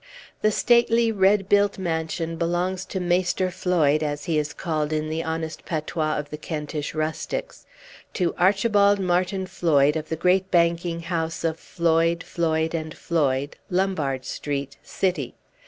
The stately red built mansion belongs to Maister Floyd, as he is called in the honest patois of the Kentish rustics; to Archibald Martin Floyd, of the great banking house of Floyd, Floyd, and Floyd, Lombard street, City.